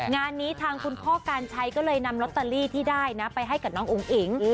งานนี้ทางคุณพ่อการชัยก็เลยนำลอตเตอรี่ที่ได้นะไปให้กับน้องอุ๋งอิ๋ง